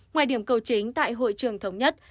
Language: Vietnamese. ngoài điểm cầu chính tại hội trường thống nhất